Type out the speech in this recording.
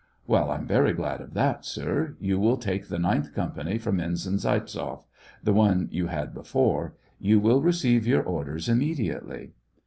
" Well I'm very glad of that, sir. You will take the ninth company from Ensign Zaitzoff — the one you had before ; you will receive your orders immediately."